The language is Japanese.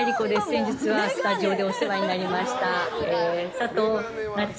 先日はスタジオでお世話になりました。